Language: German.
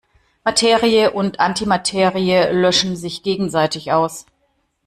Materie und Antimaterie löschen sich gegenseitig aus.